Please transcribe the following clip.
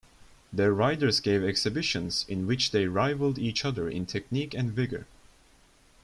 Their riders gave exhibitions in which they rivalled each other in technique and vigour.